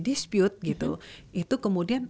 dispute gitu itu kemudian